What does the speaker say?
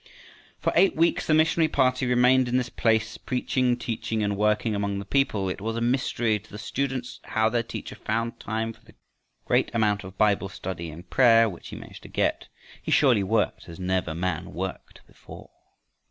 For eight weeks the missionary party remained in this place, preaching, teaching, and working among the people. It was a mystery to the students how their teacher found time for the great amount of Bible study and prayer which he managed to get. He surely worked as never man worked before.